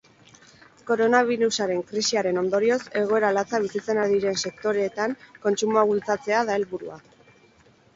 Koronabirusaren krisiaren ondorioz egoera latza bizitzen ari diren sektoreetan kontsumoa bultzatzea da helburua.